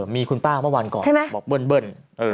มีคุณป้าเมื่อวานก่อนบอกเบิ้ล